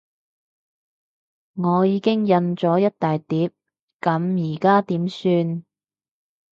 我已經印咗一大疊，噉而家點算？